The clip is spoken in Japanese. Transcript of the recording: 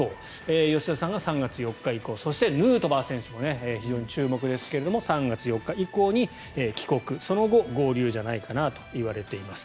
吉田さんが３月４日以降そしてヌートバー選手も非常に注目ですが３月４日以降に帰国その後、合流じゃないかなといわれています。